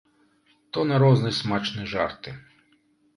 То на розны смачны жарты.